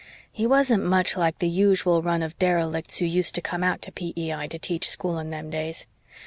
He wasn't much like the usual run of derelicts who used to come out to P.E.I. to teach school in them days.